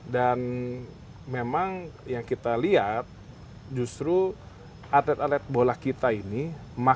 dan memang yang kita lihat justru atlet atlet bola kita ini memang